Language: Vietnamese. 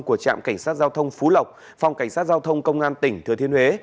của trạm cảnh sát giao thông phú lộc phòng cảnh sát giao thông công an tỉnh thừa thiên huế